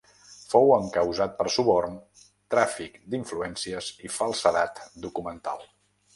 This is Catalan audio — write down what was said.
Fou encausat per suborn, tràfic d’influències i falsedat documental.